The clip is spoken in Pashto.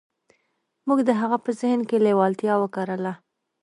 موږ د هغه په ذهن کې لېوالتیا وکرله.